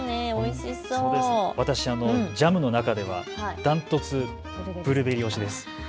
私、ジャムの中ではダントツ、ブルーベリー推しです。